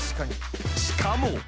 ［しかも］